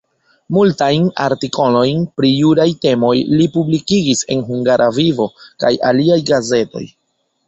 Multajn artikolojn pri juraj temoj li publikigis en Hungara Vivo kaj aliaj gazetoj.